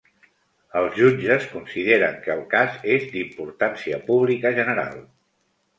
Els jutges consideren que el cas és “d’importància pública general”.